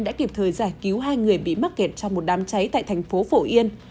đã kịp thời giải cứu hai người bị mắc kẹt trong một đám cháy tại thành phố phổ yên